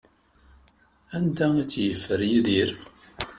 Anda ay t-yeffer Yidir?